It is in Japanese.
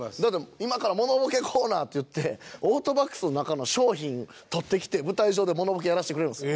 今からモノボケコーナーっていってオートバックスの中の商品を取ってきて舞台上でモノボケやらせてくれるんですよ。